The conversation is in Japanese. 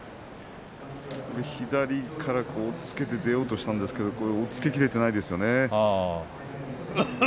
左から押っつけて出ようとしたんですけど押っつけきれてないですね。